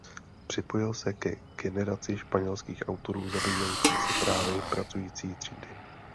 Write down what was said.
Připojil se ke generaci španělských autorů zabývajících se právy pracující třídy.